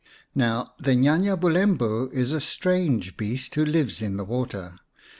Now the Nya nya Bulembu is a strange beast who lives in the water.